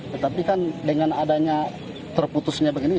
tetapi kan dengan adanya terputusnya begini